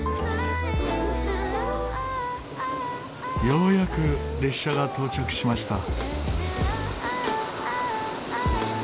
ようやく列車が到着しました。